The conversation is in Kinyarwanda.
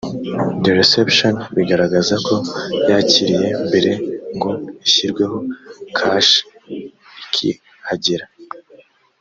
de reception bigaragaza ko yakiriye mbere ngo ishyirweho cashi ikihagera